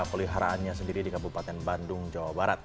peliharaannya sendiri di kabupaten bandung jawa barat